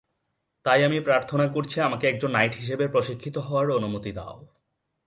তাই আমি প্রার্থনা করছি আমাকে একজন নাইট হিসেবে প্রশিক্ষিত হওয়ার অনুমতি দাও।